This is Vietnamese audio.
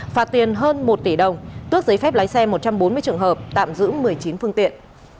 phạt tiền hơn một tỷ đồng tước giấy phép lái xe một trăm bốn mươi trường hợp tạm giữ một mươi chín phương tiện